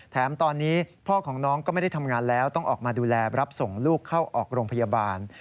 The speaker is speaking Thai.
แถมตอนนี้พ่อของน้องก็ไม่ได้ทำงานแล้วต้องออกมาดูแลรับส่งลูกเข้าออกโรงพยาบาล